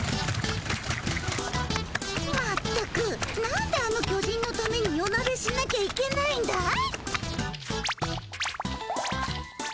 まったくなんであの巨人のために夜なべしなきゃいけないんだい？